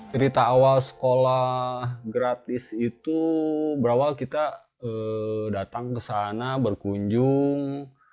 cerita awal sekolah gratis itu berawal kita datang ke sana berkunjung